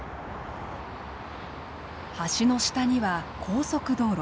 橋の下には高速道路。